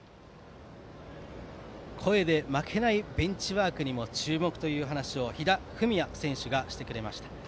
声で負けないベンチワークにも注目という話を飛弾郁哉選手がしてくれました。